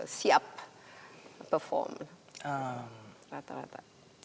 siap perform rata rata